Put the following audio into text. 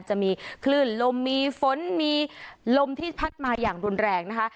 จะมีคลื่นลมมีฝนมีลมที่พัดมาอย่างรุนแรงนะคะ